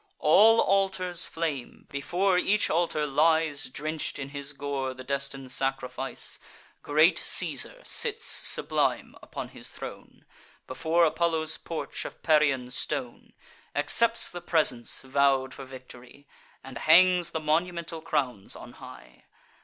All altars flame: before each altar lies, Drench'd in his gore, the destin'd sacrifice. Great Caesar sits sublime upon his throne, Before Apollo's porch of Parian stone; Accepts the presents vow'd for victory, And hangs the monumental crowns on high.